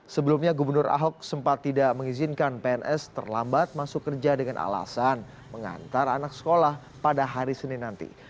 sebelumnya gubernur ahok sempat tidak mengizinkan pns terlambat masuk kerja dengan alasan mengantar anak sekolah pada hari senin nanti